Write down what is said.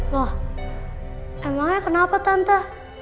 loh emangnya kenapa tante